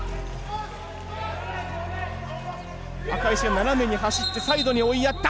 赤石が斜めに走ってサイドに追いやった！